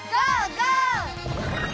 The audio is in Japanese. ゴー！